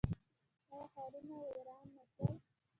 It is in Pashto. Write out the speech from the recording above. آیا ښارونه ویران نه شول؟